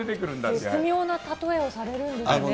絶妙な例えをされるんですね。